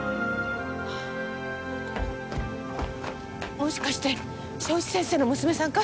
もしかして正一先生の娘さんかい？